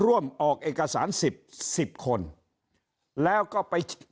คราวนี้เจ้าหน้าที่ป่าไม้รับรองแนวเนี่ยจะต้องเป็นหนังสือจากอธิบดี